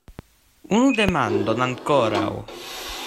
Unu demandon ankoraŭ.